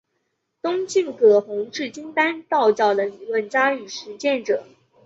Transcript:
东晋葛洪是金丹道教的理论家与实践者。